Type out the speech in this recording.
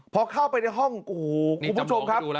พอเข้าไปในห้องโอ้โหคุณผู้ชมครับ